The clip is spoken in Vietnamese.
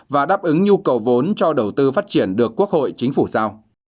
và đáp ứng nhu cầu vốn cho đầu tư phát triển được quốc hội chính phủ giao